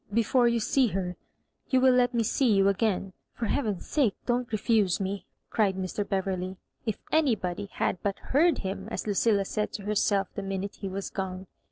"Before you see her, you will let me see you again. For beaven^s sake, don't re fuse me," cried Mr. Beverley. If anybody had but heard him ! as Lucilla said to herself the minute he was gone.